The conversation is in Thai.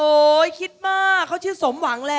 คิดมากเขาชื่อสมหวังแล้ว